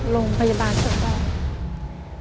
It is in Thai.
โรงพยาบาลส่งออก